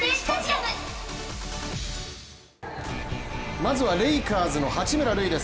まずはレイカーズの八村塁です。